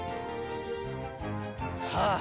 ああ！